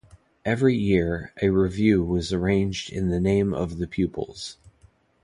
Every year, a revue was arranged in the name of the pupils.